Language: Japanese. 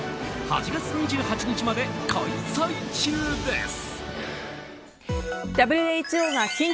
８月２８日まで開催中です。